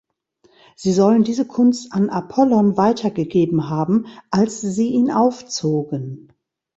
Sie sollen diese Kunst an Apollon weitergegeben haben, als sie ihn aufzogen.